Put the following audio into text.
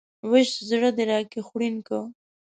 وش ﺯړه د راکي خوړين که